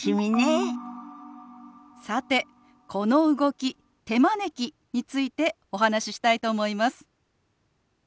さてこの動き「手招き」についてお話ししたいと思います。